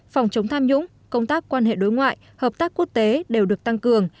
phòng chống tham nhũng công tác quan hệ đối ngoại hợp tác quốc tế đều được tăng cường